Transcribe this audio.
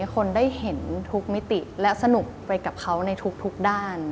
คนได้เห็นทุกมิติและสนุกไปกับเขาในทุกด้าน